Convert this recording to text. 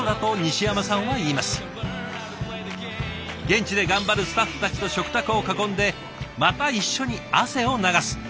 現地で頑張るスタッフたちと食卓を囲んでまた一緒に汗を流す。